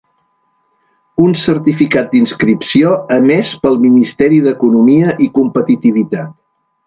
Un certificat d'inscripció emès pel Ministeri d'Economia i Competitivitat.